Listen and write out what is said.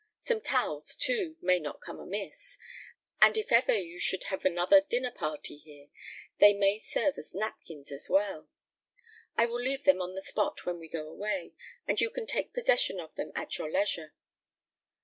Some towels, too, may not come amiss; and if ever you should have another dinner party here, they may serve as napkins as well. I will leave them on the spot when we go away, and you can take possession of them at your leisure.